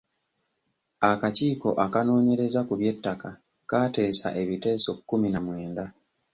Akakiiko akanoonyereza ku by'ettaka kaateesa ebiteeso kkumi na mwenda.